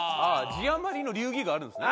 字余りの流儀があるんですね。